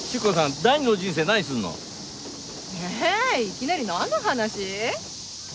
いきなりなんの話？